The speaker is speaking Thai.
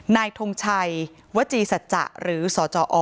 ทงชัยวจีสัจจะหรือสจอ